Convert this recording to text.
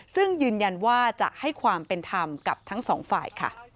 ซึ่งยืนยันว่าจะให้ความเป็นธรรมกับทั้งสองฝ่ายค่ะ